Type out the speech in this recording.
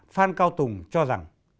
phan cao tùng cho rằng